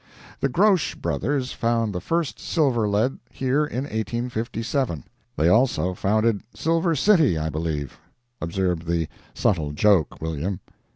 The Grosch brothers found the first silver lead here in 1857. They also founded Silver City, I believe. (Observe the subtle joke, William.)